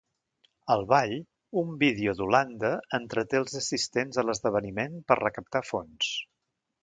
Al ball, un vídeo d'Holanda entreté els assistents a l'esdeveniment per recaptar fons.